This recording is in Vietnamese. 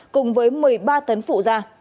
cùng với một mươi ba tấn phụ ra